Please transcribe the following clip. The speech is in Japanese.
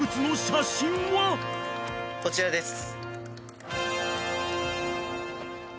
こちらです。